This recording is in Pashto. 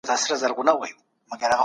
دين اخلاقي بنسټ دی.